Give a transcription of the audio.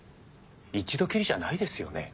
一度きりじゃないですよね？